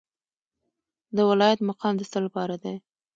د ولایت مقام د څه لپاره دی؟